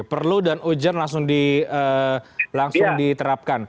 perlu dan ujian langsung diterapkan